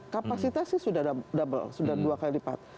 kapasitasnya sudah ada double sudah dua kali lipat